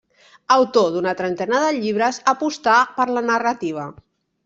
Autor d'una trentena de llibres, apostà per la narrativa.